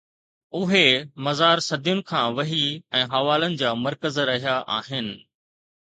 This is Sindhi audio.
اهي مزار صدين کان وحي ۽ حوالن جا مرڪز رهيا آهن